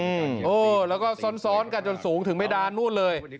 อือแล้วก็ซ้อนกันจนสูงถึงไม่ดาวนู่นเลย